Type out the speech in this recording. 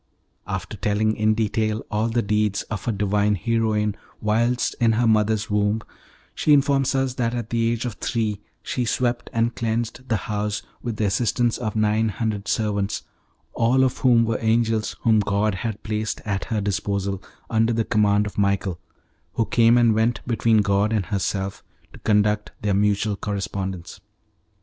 After telling in detail all the deeds of her divine heroine whilst in her mother's womb, she informs us that at the age of three she swept and cleansed the house with the assistance of nine hundred servants, all of whom were angels whom God had placed at her disposal, under the command of Michael, who came and went between God and herself to conduct their mutual correspondence.